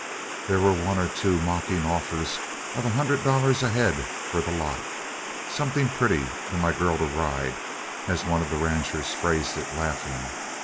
There were one or two mocking offers of a hundred dollars a head for the lot. "Something pretty for my girl to ride," as one of the ranchers phrased it, laughing.